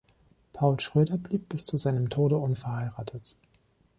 Paul Schröder blieb bis zu seinem Tode unverheiratet.